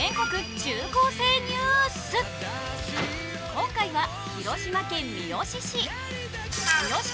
今回は広島県三次市。